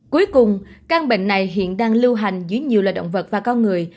cuối cùng căn bệnh này hiện đang lưu hành dưới nhiều loài động vật và con người